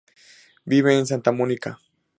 Vive en Santa Mónica.